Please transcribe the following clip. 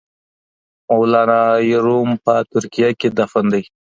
مولانا رومي په ترکیه کې دفن دی